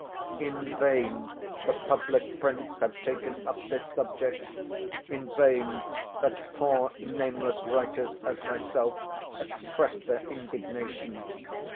In vain the public prints have taken up this subject, in vain such poor nameless writers as myself express their indignation.